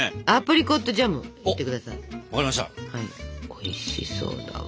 おいしそうだわ。